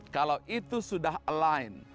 kalau itu sudah align